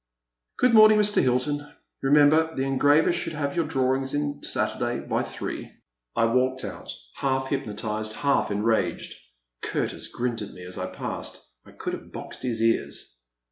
Good morning, Mr. Hilton, remember the engraver should have your drawings on Saturday by three." 1 3IO A Pleasant Evening. I walked out, half hypnotized, half enraged. Curtis grinned at me as I passed — I could have boxed his ears.